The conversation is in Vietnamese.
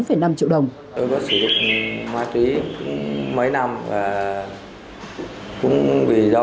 tôi có sử dụng ma túy mấy năm và cũng vì do